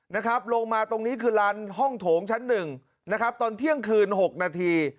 นะครับลงมาตรงนี้คือลานห้องโถงชั้นหนึ่งนะครับตอนเที่ยงคืนหกนาที